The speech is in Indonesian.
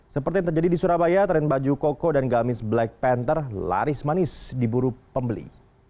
seperti yang terjadi di surabaya tren baju koko dan gamis black panther laris manis di buru pembeli